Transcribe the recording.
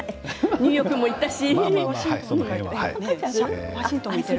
ニューヨークも行ったし。